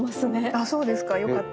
あっそうですかよかった。